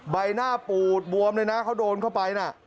ใบหน้าปูดบวมเลยนะเขาโดนเข้าไปนะ